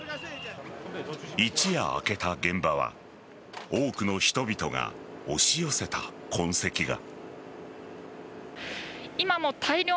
一夜明けた現場は多くの人々が押し寄せた痕跡が。